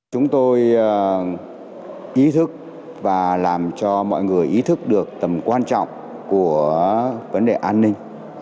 chúng tôi ý thức và làm cho mọi người ý thức được tầm quan trọng của vấn đề an ninh